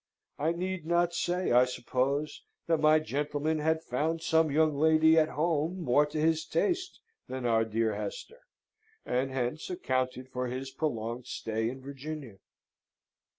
I need not say, I suppose, that my gentleman had found some young lady at home more to his taste than our dear Hester, and hence accounted for his prolonged stay in Virginia.